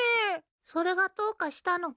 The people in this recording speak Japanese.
それがどうかしたのか？